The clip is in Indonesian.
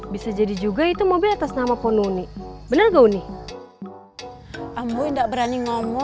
bisa jadi juga itu mobil atas nama pononi bener gauni